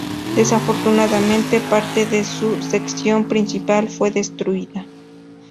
Desafortunadamente, parte del su sección principal fue destruida.